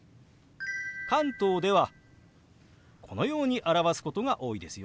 関東ではこのように表すことが多いですよ。